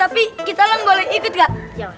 tapi kita boleh ikut gak